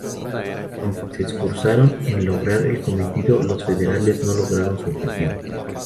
Aunque se esforzaron en lograr el cometido, los federales no lograron su objetivo.